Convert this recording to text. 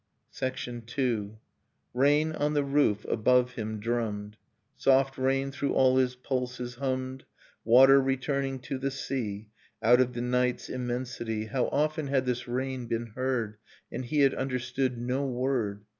Nocturne of Remembered Spring II. Rain on the roof above him drummed; Soft rain through all his pulses hummed; Water returning to the sea Out of the night's immensity. How often had this rain been heard, And he had understood no word!